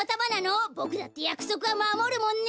ボクだってやくそくはまもるもんね！